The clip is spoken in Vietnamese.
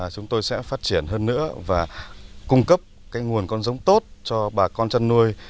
chúng tôi sẽ phát triển hơn nữa và cung cấp nguồn con giống tốt cho bà con chăn nuôi